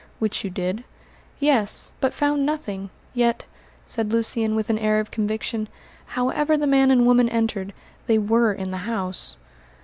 "Which you did?" "Yes, but found nothing; yet," said Lucian, with an air of conviction, "however the man and woman entered, they were in the house."